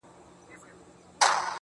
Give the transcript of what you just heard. زما پر مخ بــانــدي د اوښــــــكــــــو.